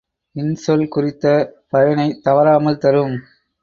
இன்சொல் குறித்த பயனைத் தவறாமல் தரும்.